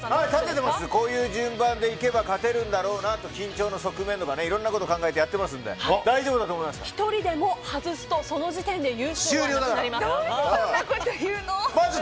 こういう順番でいけば勝てるんだろうなとか緊張の側面とかいろんなことを考えてやっていますので１人でも外すとその時点で優勝がなくなります。